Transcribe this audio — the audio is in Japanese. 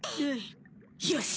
よし！